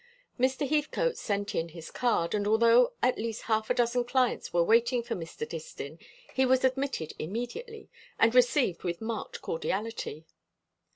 Mr. Heathcote sent in his card; and although at least half a dozen clients were waiting for Mr. Distin, he was admitted immediately, and received with marked cordiality.